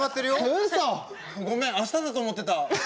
うそごめん明日だと思ってた！